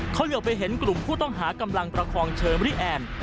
เขาเหลือไปเห็นกลุ่มผู้ต้องหากำลังประคองเชอรี่แอนด์